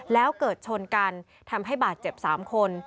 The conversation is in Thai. แล้วเกิดชนกันทำให้บาดเจ็บ๓คน